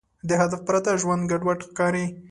د هدف پرته ژوند ګډوډ ښکاري.